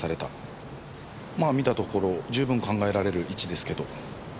まあ見たところ十分考えられる位置ですけど。